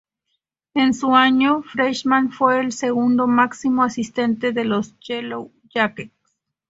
En su año freshman, fue el segundo máximo asistente de los Yellow Jackets.